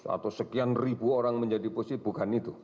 atau sekian ribu orang menjadi positif bukan itu